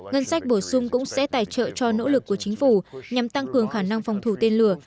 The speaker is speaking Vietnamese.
ngân sách bổ sung cũng sẽ tài trợ cho nỗ lực của chính phủ nhằm tăng cường khả năng phòng thủ tên lửa